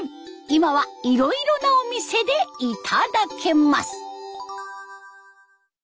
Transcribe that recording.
今はいろいろなお店で頂けます。